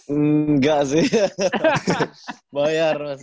enggak sih bayar mas